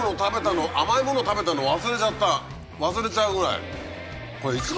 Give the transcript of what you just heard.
甘いもの食べたの忘れちゃった忘れちゃうぐらい。